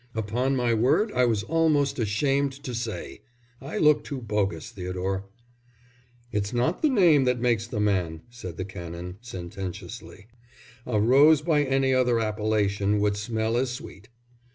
Upon my word, I was almost ashamed to say; I look too bogus, Theodore." "It's not the name that makes the man," said the Canon, sententiously. "A rose by any other appellation would smell as sweet."